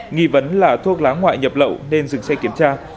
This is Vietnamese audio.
nghi vấn là thuốc lá ngoại nhập lậu nên dừng xe kiểm tra